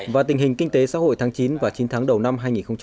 và tình hình kinh tế xã hội tháng chín và chín tháng đầu năm hai nghìn một mươi năm